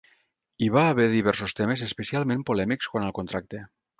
Hi va haver diversos temes especialment polèmics quant al contracte.